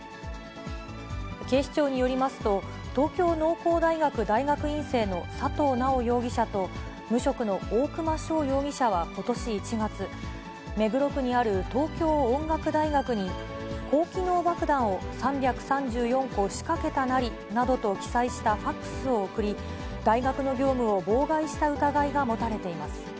警視庁によりますと、東京農工大学大学院生の佐藤直容疑者と、無職の大熊翔容疑者はことし１月、目黒区にある東京音楽大学に高機能爆弾を３３４個仕掛けたナリなどと記載したファックスを送り、大学の業務を妨害した疑いが持たれています。